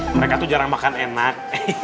mereka tuh jarang makan enak